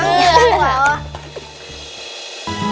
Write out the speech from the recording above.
gak mau mpok